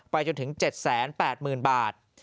จนถึง๗๘๐๐๐บาท